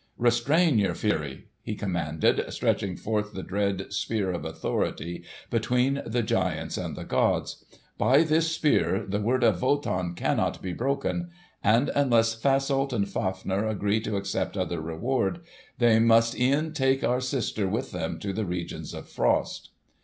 "Restrain your fury!" he commanded, stretching forth the dread Spear of Authority between the giants and the gods. "By this Spear the word of Wotan cannot be broken; and unless Fasolt and Fafner agree to accept other reward, they must e'en take our sister with them to the regions of frost."